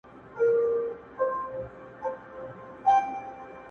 د هر وګړي سیوری نه وهي په توره ظالم!!